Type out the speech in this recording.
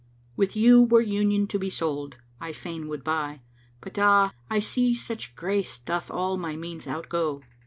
With you were Union to be sold, I fain would buy; * But ah, I see such grace doth all my means outgo!"